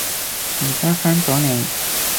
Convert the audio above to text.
而家返咗嚟